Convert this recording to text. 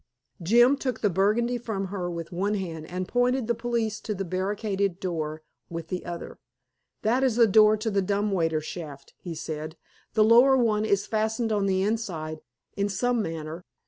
Jim took the Burgundy from her with one hand and pointed the police to the barricaded door with the other. "That is the door to the dumb waiter shaft," he said. "The lower one is fastened on the inside, in some manner.